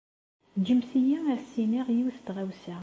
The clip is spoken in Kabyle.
Jjemt-iyi ad as-iniɣ yiwet n tɣawsa.